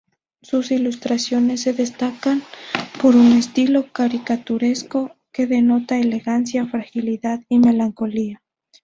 Sus ilustraciones se destacan por un estilo caricaturesco que denotan elegancia, fragilidad y melancolía.